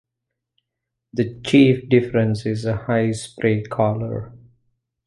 The chief difference is a high spray collar.